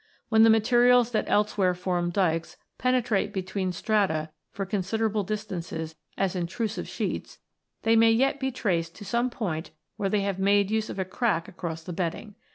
When the materials that elsewhere form dykes penetrate between strata for considerable distances as intrusive sheets, they may yet be traced to some point where they have made use of a crack across the bedding.